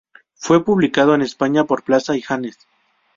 Fue publicado en España por Plaza y Janes.